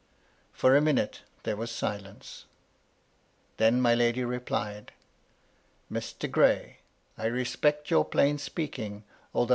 For a minute there was silence. Then my lady replied :" Mr. Gray, I respect your plain speaking, although MY LADY LUDLOW.